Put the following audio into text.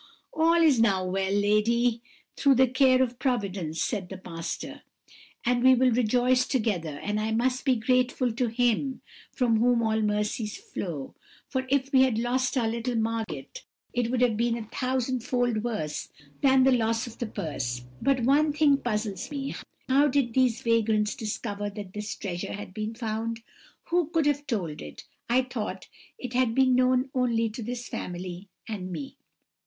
"'All is now well, lady, through the care of Providence,' said the pastor, 'and we will rejoice together, and I trust be grateful to Him from whom all mercies flow; for if we had lost our little Margot, it would have been a thousandfold worse than the loss of the purse. But one thing puzzles me: how did these vagrants discover that this treasure had been found? Who could have told it? I thought it had been known only to this family and me.'